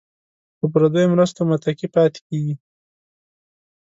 په پردیو مرستو متکي پاتې کیږي.